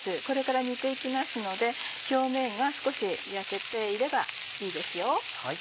これから煮て行きますので表面が少し焼けていればいいですよ。